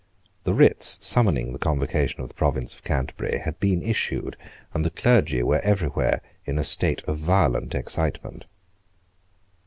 The writs summoning the Convocation of the province of Canterbury had been issued; and the clergy were every where in a state of violent excitement.